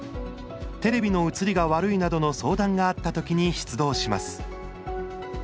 テレビの映りが悪いなどの相談があったときに出動します。